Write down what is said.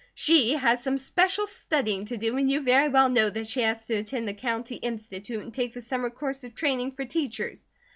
"She has some special studying to do, and you very well know that she has to attend the County Institute, and take the summer course of training for teachers."